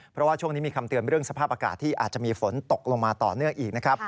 เพราะว่าช่วงนี้มีคำเตือนเรื่องสภาพอากาศที่อาจจะมีฝนตกลงมาต่อเนื่องอีกนะครับ